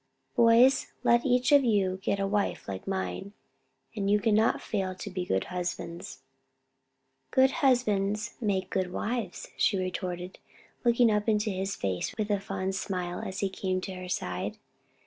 "Boys, let each of you get a wife like mine, and you can not fail to be good husbands." "Good husbands make good wives," she retorted, looking up into his face with a fond smile as he came to her side.